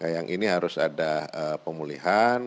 yang ini harus ada pemulihan